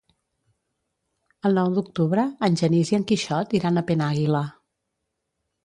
El nou d'octubre en Genís i en Quixot iran a Penàguila.